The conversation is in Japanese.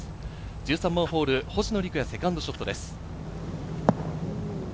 １３番ホール、星野陸也、セカンドショットです。